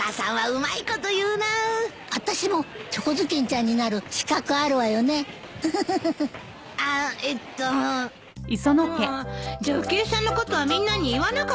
まあじゃあ浮江さんのことはみんなに言わなかったの？